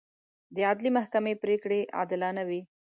د عدلي محکمې پرېکړې عادلانه وي.